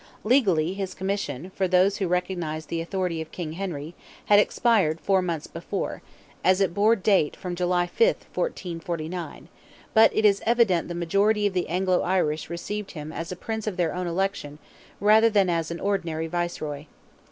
Legally, his commission, for those who recognized the authority of King Henry, had expired four months before—as it bore date from July 5th, 1449; but it is evident the majority of the Anglo Irish received him as a Prince of their own election rather than as an ordinary Viceroy.